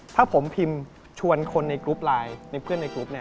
ถ้าผมพิมพ์ชวนคนในกรุ๊ปไลน์